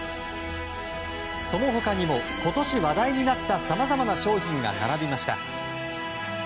その他にも今年話題になったさまざまな商品が並びました。